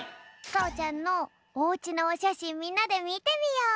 かおちゃんのおうちのおしゃしんみんなでみてみよう！